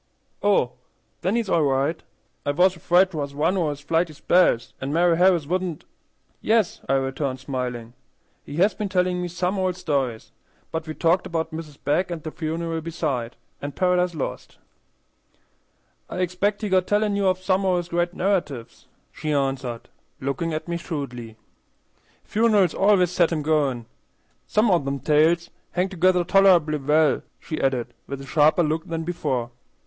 "Oh, then he's all right. I was afraid 'twas one o' his flighty spells, an' Mari' Harris wouldn't" "Yes," I returned, smiling, "he has been telling me some old stories, but we talked about Mrs. Begg and the funeral beside, and Paradise Lost." "I expect he got tellin' of you some o' his great narratives," she answered, looking at me shrewdly. "Funerals always sets him goin'. Some o' them tales hangs together toler'ble well," she added, with a sharper look than before.